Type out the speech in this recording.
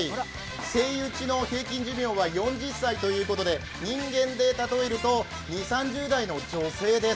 セイウチの平均寿命は４０歳ということで人間で例えると２０３０代の女性です。